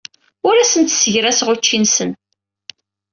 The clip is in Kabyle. Ur asent-ssegraseɣ ucci-nsen.